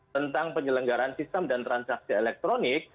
tentang penyelenggaran sistem dan transaksi elektronik